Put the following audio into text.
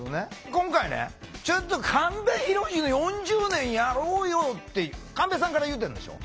今回ね「ちょっと神戸浩の４０年やろうよ」って神戸さんから言うてるんでしょ？